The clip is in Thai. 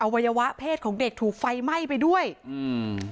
วัยวะเพศของเด็กถูกไฟไหม้ไปด้วยอืม